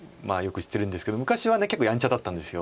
昔は結構やんちゃだったんです。